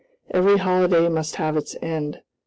Every holiday must have its end.